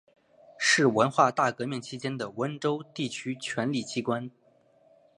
是文化大革命期间的温州地区权力机关。